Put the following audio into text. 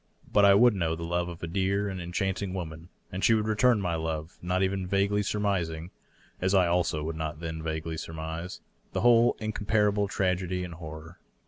But I would know the love of a dear and enchanting woman^ and she would return my love, not even vaguely surmising (as I also would not then vaguely surmise) the whole incomparable tragedy and horror.